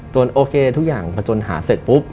โอเคทุกอย่างพอจนหาเสร็จปุ๊บ